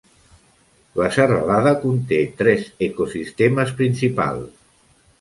La serralada conté tres ecosistemes principals.